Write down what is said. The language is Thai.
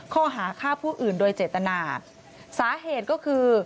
ข้อหาฆ่าผู้อื่นโดยเจตนาสาเหตุก็คือ